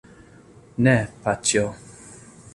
Ne, paĉjo.